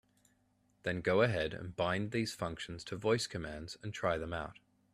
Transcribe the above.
Then go ahead and bind these functions to voice commands and try them out.